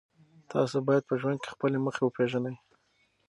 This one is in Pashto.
تاسو باید په ژوند کې خپلې موخې وپېژنئ.